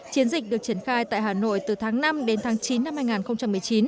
chiến dịch được triển khai tại hà nội từ tháng năm đến tháng chín năm hai nghìn một mươi chín